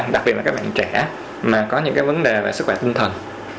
đặc biệt là các bạn trẻ mà có những cái vấn đề về sức khỏe tinh thần